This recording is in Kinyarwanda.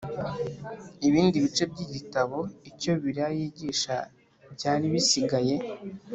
ibindi bice by igitabo Icyo Bibiliya yigisha byari bisigaye